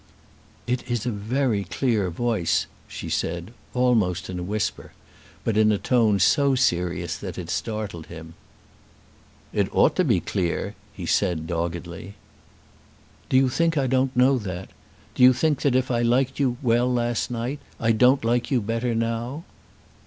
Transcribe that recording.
"It is a very clear voice," she said, almost in a whisper; but in a tone so serious that it startled him. "It ought to be clear," he said doggedly. "Do you think I don't know that? Do you think that if I liked you well last night I don't like you better now?"